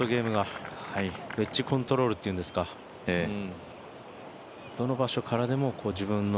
ウェッジコントロールというんですかどの場所からでも自分の。